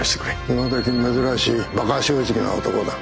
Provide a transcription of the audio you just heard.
今どき珍しいバカ正直な男だ。